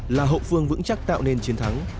là hậu phương vững chắc tạo nên chiến thắng